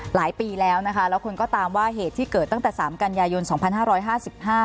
หลายปีแล้วนะคะแล้วคนก็ตามว่าเหตุที่เกิดตั้งแต่สามกันยายนสองพันห้าร้อยห้าสิบห้า